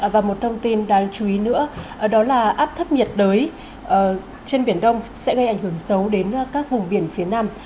và một thông tin đáng chú ý nữa đó là áp thấp nhiệt đới trên biển đông sẽ gây ảnh hưởng xấu đến các vùng biển phía nam